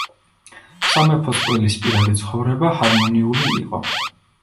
სამეფო წყვილის პირადი ცხოვრება ჰარმონიული იყო.